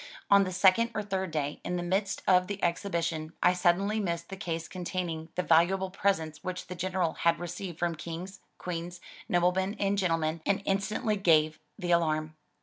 On the second or third day, in the midst of the exhibition, I suddenly missed the case containing the valuable presents which the General had received from Kings, Queens, noblemen and gentlemen, and instantly gave the alarm.